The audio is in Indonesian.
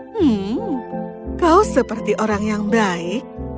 hmm kau seperti orang yang baik